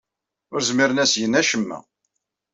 Ur zmiren ad as-gen acemma.